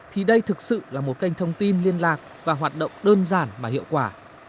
thì đây thực sự là một kênh thông tin liên lạc và hoạt động đơn giản và hiệu quả